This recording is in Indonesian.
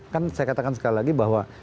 kan saya katakan sekali lagi bahwa